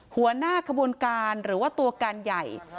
หัวหน้าขบวนการหรือว่าตัวการใหญ่